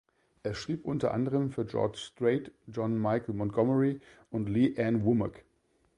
Er schrieb unter anderem für George Strait, John Michael Montgomery und Lee Ann Womack.